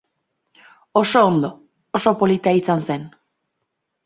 Oso ondo, oso polita izan zen.